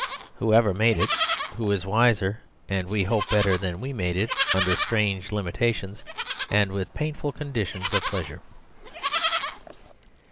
"Whoever made it, who is wiser, and we hope better than we, made it under strange limitations, and with painful conditions of pleasure.